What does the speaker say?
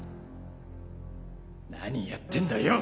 何やってんだよ！